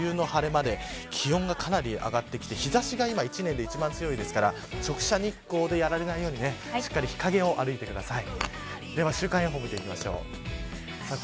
梅雨の晴れ間で気温がかなり上がってきて日差しが今一年で一番強いですから、直射日光でやられないようにしっかりと日陰を歩いてください。